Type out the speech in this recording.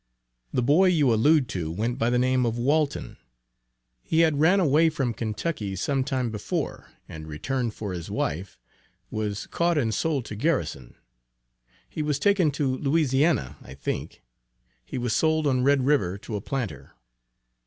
The boy you allude to went by the name of Walton; he had ran away from Kentucky some time before, and returned for his wife was caught and sold to Garrison; he was taken to Louisiana, I think he was sold on Red River to a planter.